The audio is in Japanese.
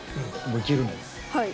はい。